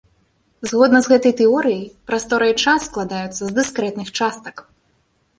Згодна з гэтай тэорыяй, прастора і час складаюцца з дыскрэтных частак.